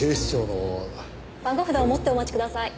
番号札を持ってお待ちください。